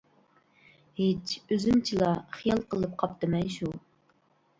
-ھېچ، ئۆزۈمچىلا خىيال قىلىپ قاپتىمەن شۇ.